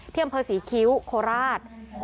ที่อำเภษีคิ้วโคราช